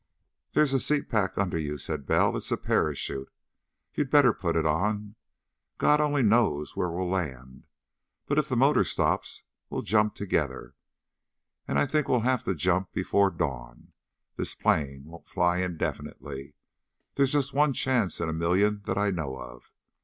"There's a seat pack under you," said Bell. "It's a parachute. You'd better put it on. God only knows where we'll land, but if the motor stops we'll jump together. And I think we'll have to jump before dawn. This plane won't fly indefinitely. There's just one chance in a million that I know of.